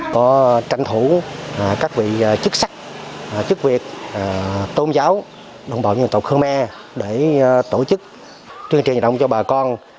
có tranh thủ các vị chức sắc chức việt tôn giáo đồng bào dân tộc khơ me để tổ chức truyền truyền động cho bà con